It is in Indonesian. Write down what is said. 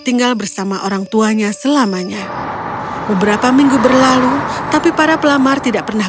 tinggal bersama orang tuanya selamanya beberapa minggu berlalu tapi para pelamar tidak pernah